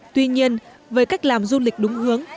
tuy nhiên với cách làm du lịch đúng hướng